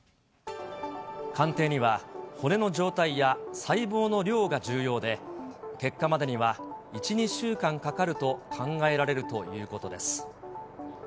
鑑定には、骨の状態や細胞の量が重要で、結果までには１、２週間かかると考えられるということです。